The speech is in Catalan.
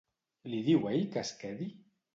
Li diu ell que es quedi?